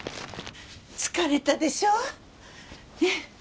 疲れたでしょうね。